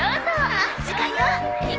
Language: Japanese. あっ時間よ。